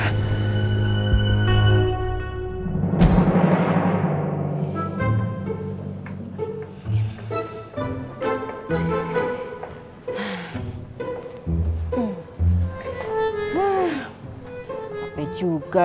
semoga aldebaran gak curiga